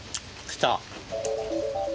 来た！？